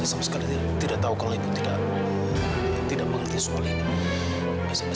saya sama sekali tidak tahu kalau ibu tidak mengerti soalnya